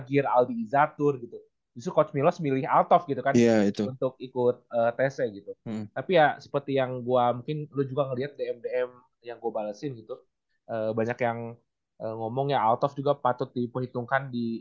ya tanpa seleksi pun